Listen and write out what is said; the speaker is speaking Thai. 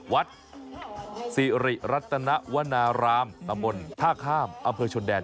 วัดสิริรัตนวนารามตำบลท่าข้ามอำเภอชนแดน